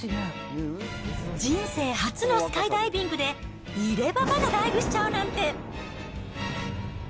人生初のスカイダイビングで、入れ歯までダイブしちゃうなんて。